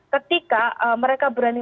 ketika mereka berani